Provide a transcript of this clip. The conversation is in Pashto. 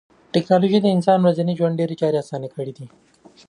ټکنالوژي د انسان د ورځني ژوند ډېری چارې اسانه کړې دي.